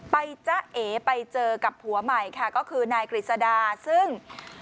ไปเจอกับผัวใหม่ค่ะก็คือนายกริสดาซึ่ง